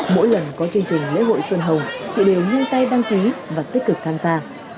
mỗi lần có chương trình lễ hội xuân hồng chị đều nhanh tay đăng ký và tích cực tham gia